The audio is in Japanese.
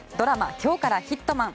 「今日からヒットマン」。